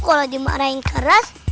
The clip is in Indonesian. kalo dimarahin keras